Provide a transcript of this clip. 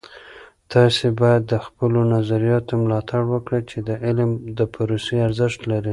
تاسې باید د خپلو نظریاتو ملاتړ وکړئ چې د علم د پروسې ارزښت لري.